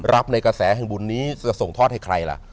ในกระแสแห่งบุญนี้จะส่งทอดให้ใครล่ะ